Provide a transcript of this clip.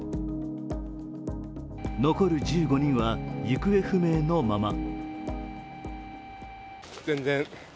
残る１５人は行方不明のまま。